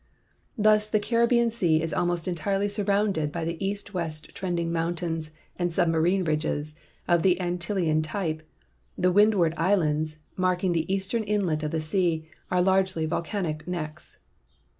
Thus the Caribbean sea is almost entirely surrounded by the east west trending mountains and submarine ridges of the Antil lean type; the Windward islands, marking the eastern inlet of the sea, are largely volcanic necks.